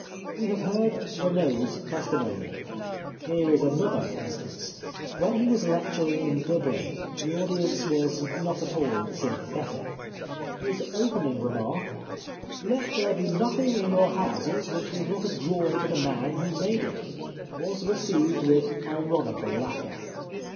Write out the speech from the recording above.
We have heard Renaud's testimony. Here is another 295 The Life of Oscar Wilde instance : when he was lecturing in Dubhn the audience was not at all sympathetic. His open ing remark, " Let there be nothing in your houses which was not a joy to the man who made it," was received with ironical laughter.